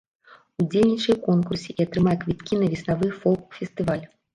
Удзельнічай у конкурсе і атрымай квіткі на веснавы фолк-фестываль.